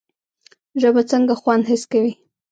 ژبه څنګه خوند حس کوي؟